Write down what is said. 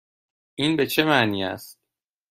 این به چه معنی است؟